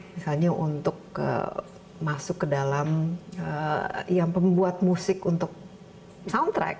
misalnya untuk masuk ke dalam yang pembuat musik untuk soundtrack